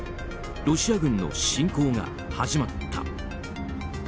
ロシア軍の侵攻が始まった。